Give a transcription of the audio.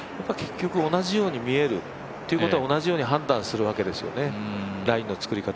結局同じように見えるっていうことは同じように判断するわけですよね。